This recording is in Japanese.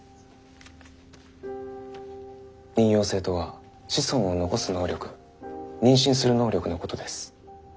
「妊孕性」とは子孫を残す能力妊娠する能力のことです。